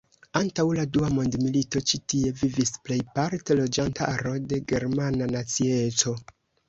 Antaŭ la dua mondmilito ĉi tie vivis plejparte loĝantaro de germana nacieco.